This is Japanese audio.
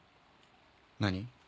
何？